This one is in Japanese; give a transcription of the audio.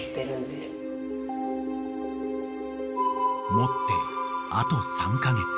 ［持ってあと３カ月］